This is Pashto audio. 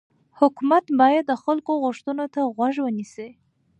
حکومت باید د خلکو غوښتنو ته غوږ ونیسي